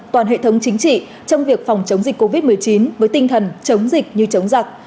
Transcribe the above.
toàn hệ thống chính trị trong việc phòng chống dịch covid một mươi chín với tinh thần chống dịch như chống giặc